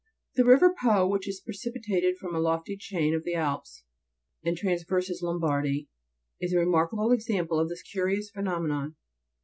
17. The river Po, which is precipitated from a lofty chain of the Alps, and traverses Lombardy, is a remarkable example of this curious phenomenon.